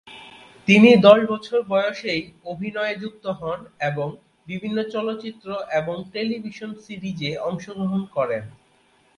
তিনি দশ বছর বয়সেই অভিনয়ে যুক্ত হন এবং বিভিন্ন চলচ্চিত্র এবং টেলিভিশন সিরিজে অংশগ্রহণ করেন।